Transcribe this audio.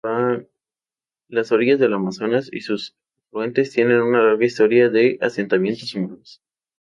Las orillas del Amazonas y sus afluentes tienen una larga historia de asentamientos humanos.